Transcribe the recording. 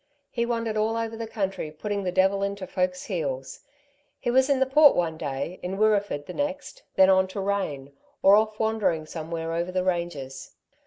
He wandered all over the country putting the devil into folks' heels. He was in the Port one day, in Wirreeford the next, then on to Rane, or off wandering somewhere over the ranges.